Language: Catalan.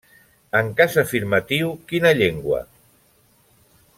En cas afirmatiu, quina llengua?